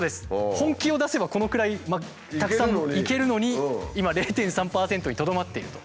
本気を出せばこのくらいたくさんいけるのに今０．３％にとどまっていると。